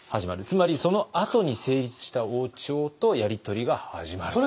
つまりそのあとに成立した王朝とやり取りが始まると。